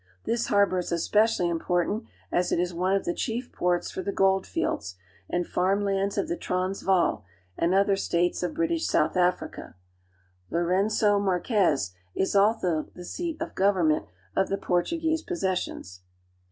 This harbor is especially important, as it is one of the chief ports for the gold fields and farm lands of the Transvaal (trans vaF) and other states of British South Africa. Lourengo Marquez is also the seat of government of the Portuguese possessions.